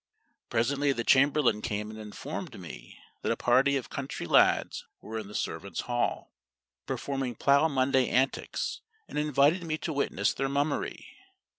Presently the chamberlain came and informed me that a party of country lads were in the servants' hall, performing Plough Monday antics, and invited me to witness their mummery.